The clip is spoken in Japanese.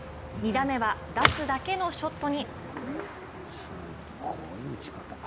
２打目は、出すだけのショットに。